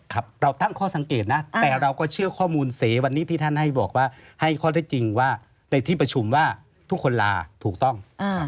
ครับเราตั้งข้อสังเกตนะแต่เราก็เชื่อข้อมูลเสวันนี้ที่ท่านให้บอกว่าให้ข้อได้จริงว่าในที่ประชุมว่าทุกคนลาถูกต้อง